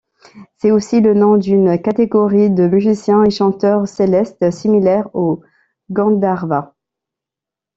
C'est aussi le nom d'une catégorie de musiciens et chanteurs célestes similaires aux gandharva.